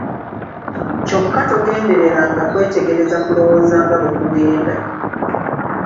Kyokka togendereranga kwetegereza kulowooza nga bwe kugenda.